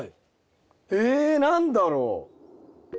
え何だろう？